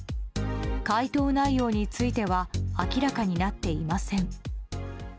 回答内容については明らかになっていません。